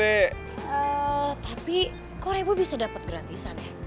eh tapi kok reva bisa dapet gratisan ya